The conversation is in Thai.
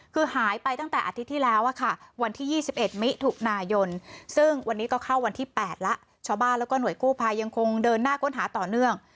คือหายไปตั้งแต่อาทิตย์ที่แล้วค่ะวันที่๒๑มิถุนายนซึ่งวันนี้ก็เข้าวันที่๘แล้วชาวบ้านแล้วก็หน่วยกู้ภัยยังคงเดินหน้าค้นหาต่อเนื่อง